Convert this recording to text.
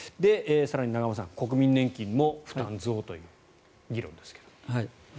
更に永濱さん、国民年金も負担増という議論ですけども。